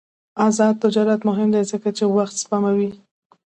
آزاد تجارت مهم دی ځکه چې وخت سپموي.